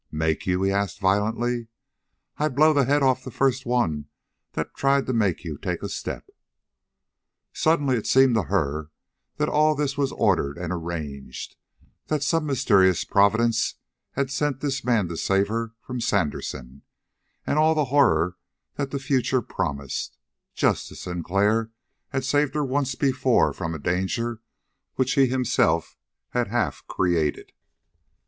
"Make you?" he asked violently. "I'd blow the head off the first one that tried to make you take a step." Suddenly it seemed to her that all this was ordered and arranged, that some mysterious Providence had sent this man here to save her from Sandersen and all the horror that the future promised, just as Sinclair had saved her once before from a danger which he himself had half created.